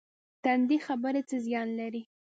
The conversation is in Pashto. تندې خبرې څه زیان لري؟